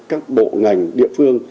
các bộ ngành điện tử